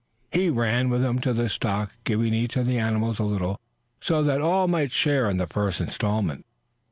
He ran with them to the stock, giving each of the animals a little, so that all might share in the first instalment.